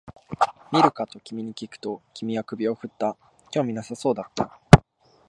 見るかと君にきくと、君は首を振った、興味なさそうだった